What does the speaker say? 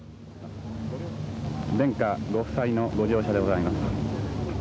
「殿下ご夫妻のご乗車でございます」。